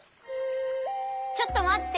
ちょっとまって！